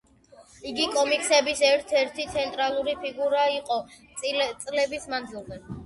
იგი კომიქსების ერთ-ერთი ცენტრალური ფიგურა იყო წლების მანძილზე.